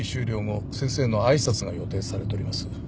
後先生の挨拶が予定されております。